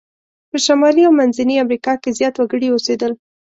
په شمالي او منځني امریکا کې زیات وګړي اوسیدل.